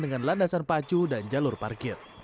dengan landasan pacu dan jalur parkir